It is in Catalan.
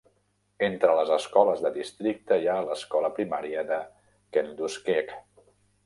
Entre les escoles de districte hi ha l'escola primària de Kenduskeag.